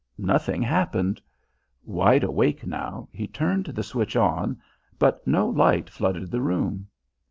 Nothing happened. Wide awake now, he turned the switch on, but no light flooded the room.